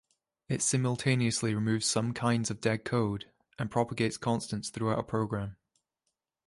It simultaneously removes some kinds of dead code and propagates constants throughout a program.